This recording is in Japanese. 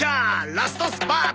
ラストスパートだ！